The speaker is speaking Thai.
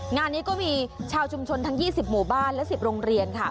งานนี้ก็มีชาวชุมชนทั้ง๒๐หมู่บ้านและ๑๐โรงเรียนค่ะ